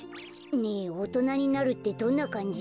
ねえおとなになるってどんなかんじ？